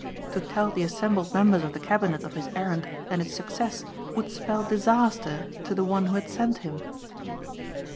To tell the assembled members of the cabinet of his errand and its success would spell disaster to the one who had sent him.